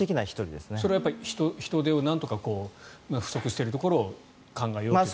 それは、人手をなんとか不足しているところを考えようという。